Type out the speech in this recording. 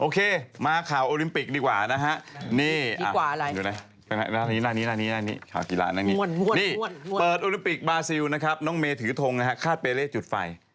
มาข่าวโอลิมปิกดีกว่านะฮะนี่หน้านี้ข่าวกีฬานั่งนี้นี่เปิดโอลิมปิกบาซิลนะครับน้องเมถือทงนะฮะคาดเปเล่จุดไฟ